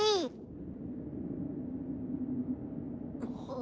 あ？